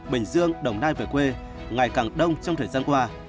bình dương đồng nai về quê ngày càng đông trong thời gian qua